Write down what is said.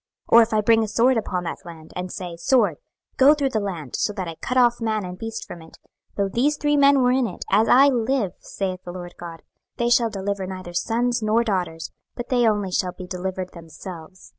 26:014:017 Or if I bring a sword upon that land, and say, Sword, go through the land; so that I cut off man and beast from it: 26:014:018 Though these three men were in it, as I live, saith the Lord GOD, they shall deliver neither sons nor daughters, but they only shall be delivered themselves.